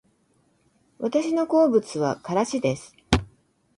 私の好物はからしです